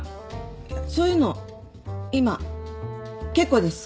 いやそういうの今結構です。